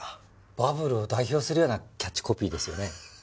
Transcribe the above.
バブルを代表するようなキャッチコピーですよね。